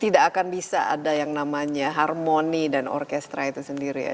tidak akan bisa ada yang namanya harmoni dan orkestra itu sendiri ya